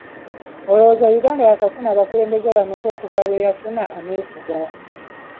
Olowooza Uganda yaakafuna abakulembeze bammeka okuva lwe yafuna ameefuga?